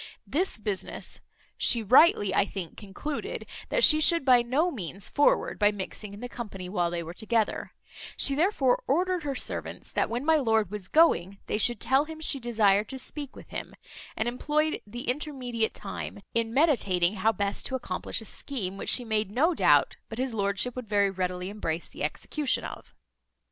This business, she rightly I think concluded, that she should by no means forward by mixing in the company while they were together; she therefore ordered her servants, that when my lord was going, they should tell him she desired to speak with him; and employed the intermediate time in meditating how best to accomplish a scheme, which she made no doubt but his lordship would very readily embrace the execution of.